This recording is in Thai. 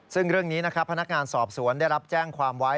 ซึ่งเรื่องนี้นะครับพนักงานสอบสวนได้รับแจ้งความไว้